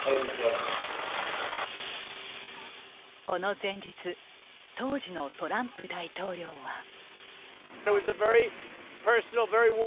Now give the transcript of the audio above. この前日当時のトランプ大統領は。